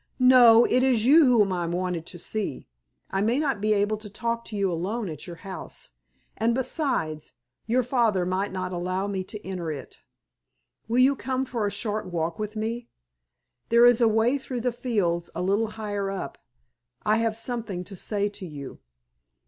"No! it is you whom I wanted to see. I may not be able to talk to you alone at your house, and, besides, your father might not allow me to enter it. Will you come for a short walk with me? There is a way through the fields a little higher up. I have something to say to you."